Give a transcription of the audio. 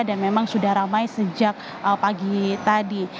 dan memang sudah ramai sejak pagi tadi